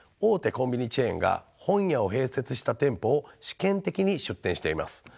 コンビニチェーンが本屋を併設した店舗を試験的に出店しています。